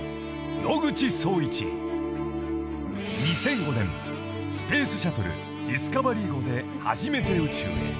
［２００５年スペースシャトルディスカバリー号で初めて宇宙へ］